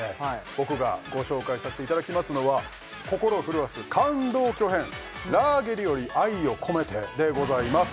僕がご紹介させていただきますのは心震わす感動巨編「ラーゲリより愛を込めて」でございます